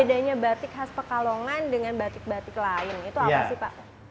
bedanya batik khas pekalongan dengan batik batik lain itu apa sih pak